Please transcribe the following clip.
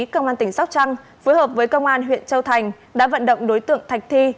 công an tỉnh sóc trăng phối hợp với công an huyện châu thành đã vận động đối tượng thạch thi